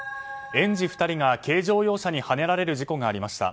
園児２人が軽乗用車にはねられる事故がありました。